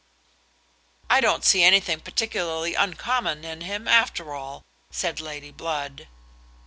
"I don't see anything particularly uncommon in him, after all," said Lady Blood.